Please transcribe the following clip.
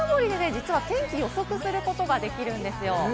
実は天気を予測することができるんですよ。